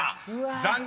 ［残念！